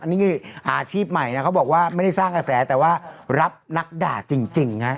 นี่คืออาชีพใหม่นะเขาบอกว่าไม่ได้สร้างกระแสแต่ว่ารับนักด่าจริงฮะ